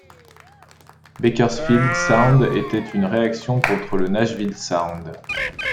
Bakersfield sound était une réaction contre le Nashville sound.